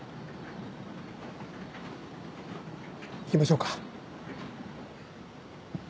行きましょうか。